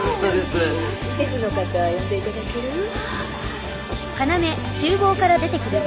シェフの方呼んでいただける？